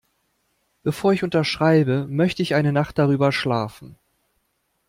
Bevor ich unterschreibe, möchte ich eine Nacht darüber schlafen.